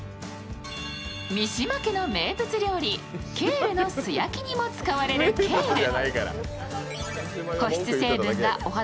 三島家の名物料理、ケールの素焼きにも使われるケール。